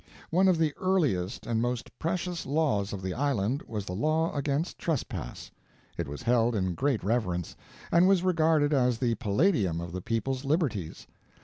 One of the earliest and most precious laws of the island was the law against trespass. It was held in great reverence, and was regarded as the palladium of the people's liberties.